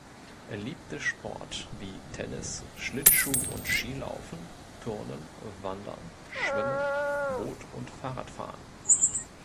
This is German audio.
Er liebte Sport wie Tennis, Schlittschuh- und Skilaufen, Turnen, Wandern, Schwimmen, Boot- und Fahrradfahren.